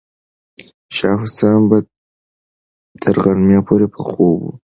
شاه حسین به تر غرمې پورې په خوب و.